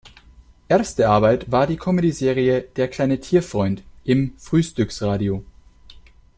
Erste Arbeit war die Comedyserie "Der kleine Tierfreund" im Frühstyxradio.